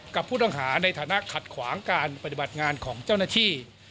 กับผู้ต้องหาในฐานะขัดขวางการปฏิบัติงานของเจ้าหน้าที่